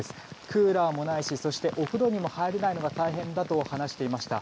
クーラーもないしお風呂にも入れないのが大変だと話していました。